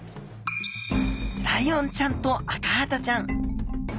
ライオンちゃんとアカハタちゃん